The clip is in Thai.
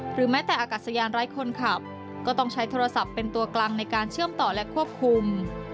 แม้แต่อากาศยานไร้คนขับก็ต้องใช้โทรศัพท์เป็นตัวกลางในการเชื่อมต่อและควบคุม